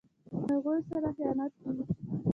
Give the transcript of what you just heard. هغوی سره خیانت وي.